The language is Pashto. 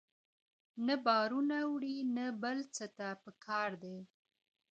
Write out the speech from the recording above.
نه بارونه وړي نه بل څه ته په کار دی